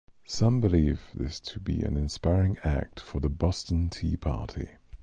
Some believe this to be an inspiring act for the Boston Tea Party.